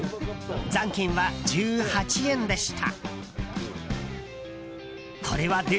残金は１８円でした。